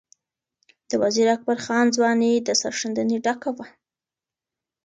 د وزیر اکبر خان ځواني د سرښندنې ډکه وه.